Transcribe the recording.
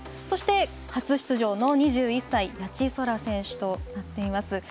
そして、初出場の２１歳谷地宙選手となっています。